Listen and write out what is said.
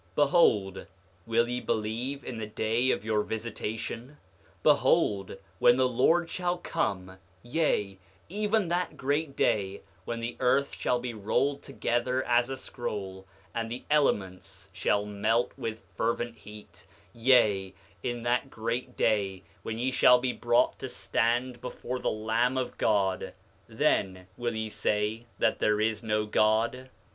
9:2 Behold, will ye believe in the day of your visitation—behold, when the Lord shall come, yea, even that great day when the earth shall be rolled together as a scroll, and the elements shall melt with fervent heat, yea, in that great day when ye shall be brought to stand before the Lamb of God—then will ye say that there is no God?